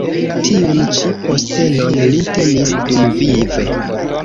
Tiun ĉi postenon li tenis dumvive.